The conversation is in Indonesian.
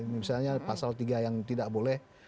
misalnya pasal tiga yang tidak boleh